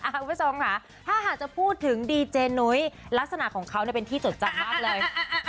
คุณผู้ชมค่ะถ้าหากจะพูดถึงดีเจนุ้ยลักษณะของเขาเป็นที่จดจำมากเลย